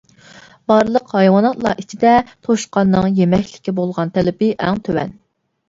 بارلىق ھايۋاناتلار ئىچىدە توشقاننىڭ يېمەكلىككە بولغان تەلىپى ئەڭ تۆۋەن.